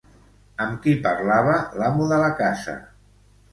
Amb qui parlava l'amo de la casa?